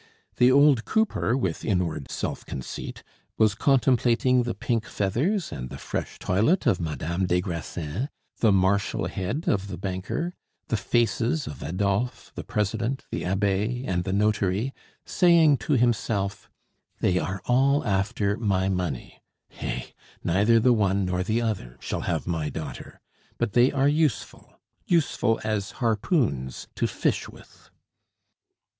The old cooper, with inward self conceit, was contemplating the pink feathers and the fresh toilet of Madame des Grassins, the martial head of the banker, the faces of Adolphe, the president, the abbe, and the notary, saying to himself: "They are all after my money. Hey! neither the one nor the other shall have my daughter; but they are useful useful as harpoons to fish with."